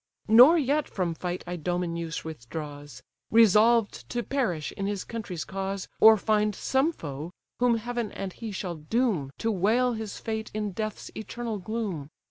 Nor yet from fight Idomeneus withdraws; Resolved to perish in his country's cause, Or find some foe, whom heaven and he shall doom To wail his fate in death's eternal gloom.